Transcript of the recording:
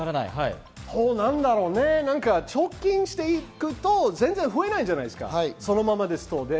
なんだろうね、貯金していくと全然増えないじゃないですか、そのままですので。